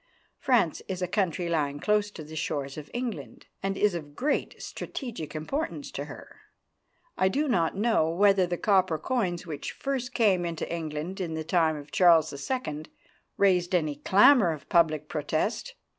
France is a country lying close to the shores of England, and is of great strategic importance to her. I do not know whether the copper coins which first came into England in the time of Charles II. raised any clamour of public protest.